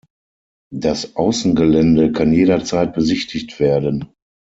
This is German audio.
Das Außengelände kann jederzeit besichtigt werden.